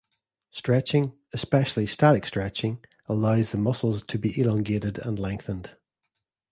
Stretching, especially static stretching allows the muscles to be elongated and lengthened.